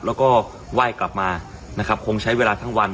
แล้วก็ไหว้กลับมานะครับคงใช้เวลาทั้งวัน